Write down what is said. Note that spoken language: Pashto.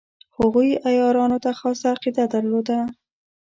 هغوی عیارانو ته خاصه عقیده درلوده.